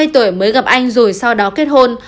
hai mươi tuổi mới gặp anh rồi sau đó kết hôn